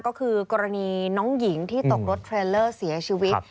ก็คือกรณีน้องหญิงที่ตกรถเทรลเลอร์เสียชีวิต